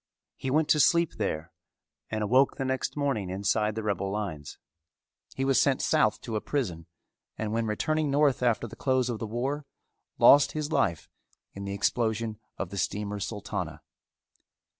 He went to sleep there and awoke the next morning inside the rebel lines. He was sent south to a prison and when returning north after the close of the war lost his life in the explosion of the Steamer Sultana.